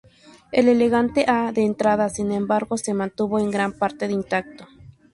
El elegante hall de entrada, sin embargo, se mantuvo en gran parte intacto.